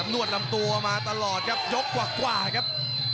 วดลำตัวมาตลอดครับยกกว่าครับ